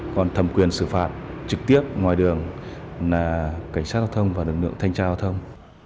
còn thẩm quyền xử phạt trực tiếp ngoài đường là cảnh sát giao thông và lực lượng thanh tra giao thông